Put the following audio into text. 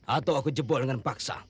atau aku jebol dengan paksa